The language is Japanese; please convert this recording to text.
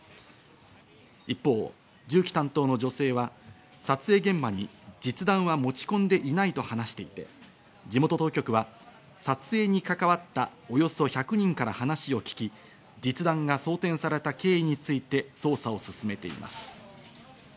一方、銃器担当の女性は撮影現場に実弾は持ち込んでいないと話していて、地元当局は撮影に関わったおよそ１００人から話を聞き、実弾が装填された経緯について捜査を進めています。